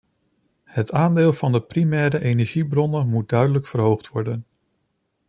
Het aandeel van de primaire energiebronnen moet duidelijk verhoogd worden.